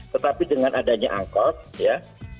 tetapi dengan adanya angkot ya